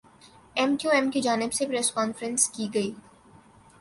M Q M کی جانب سے پریس کانفرنس کی گئی